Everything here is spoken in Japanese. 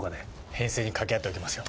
編成に掛け合っておきますよ。